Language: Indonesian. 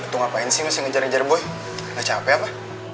itu ngapain sih masih ngejar ngejar boy nggak capek apa